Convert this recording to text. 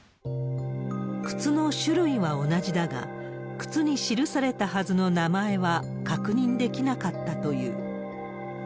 靴の種類は同じだが、靴に記されたはずの名前は確認できなかったという。